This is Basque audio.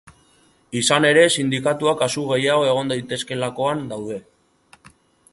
Izan ere, sindikatuak kasu gehiago egon daitezkeelakoan daude.